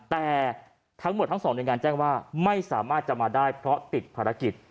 แต่ทั้งหมดทั้งสองหน่วยงานแจ้งว่าไม่สามารถจะมาได้เพราะติดภารกิจ